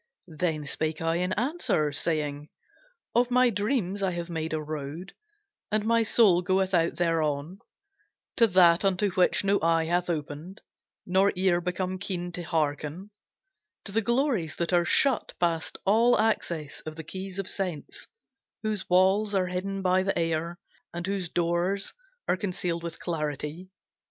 Then spake I in answer, saying, Of my dreams I have made a road, And my soul goeth out thereon To that unto which no eye hath opened, Nor ear become keen to hearken To the glories that are shut past all access Of the keys of sense; Whose walls are hidden by the air, And whose doors are concealed with clarity.